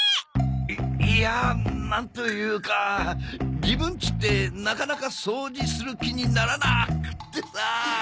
いいやあなんというか自分ちってなかなか掃除する気にならなくってさあ。